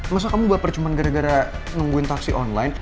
masa kamu berpercuma gara gara nungguin taksi online